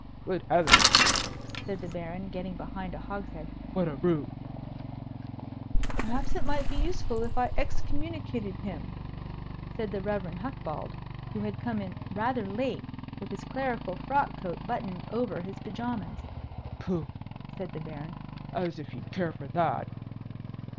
"Good heavens!" said the Baron, getting behind a hogshead, "what a brute!" "Perhaps it might be useful if I excommunicated him," said the Rev. Hucbald, who had come in rather late, with his clerical frock coat buttoned over his pyjamas. "Pooh!" said the Baron. "As if he'd care for that."